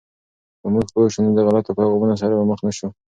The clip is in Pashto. که موږ پوه شو، نو د غلطو پیغامونو سره به مخ نسو.